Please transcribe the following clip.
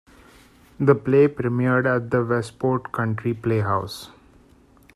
The play premiered at the Westport Country Playhouse.